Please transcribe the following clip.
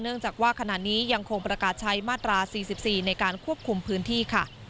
จากว่าขณะนี้ยังคงประกาศใช้มาตรา๔๔ในการควบคุมพื้นที่ค่ะ